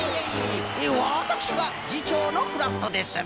わたくしがぎちょうのクラフトです。